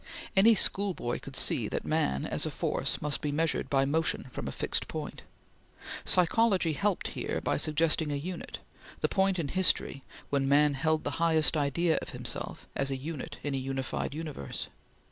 Any schoolboy could see that man as a force must be measured by motion, from a fixed point. Psychology helped here by suggesting a unit the point of history when man held the highest idea of himself as a unit in a unified universe.